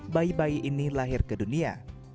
bayi bayi ini lahir ke dunia